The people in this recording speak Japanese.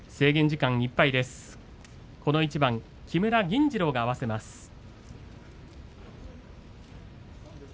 この一番木村銀治郎が合わせます。